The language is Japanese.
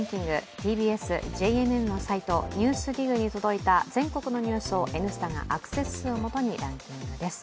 ＴＢＳ、ＪＮＮのサイト、「ＮＥＷＳＤＩＧ」に届いた全国のニュースを「Ｎスタ」がアクセス数を基にランキングです。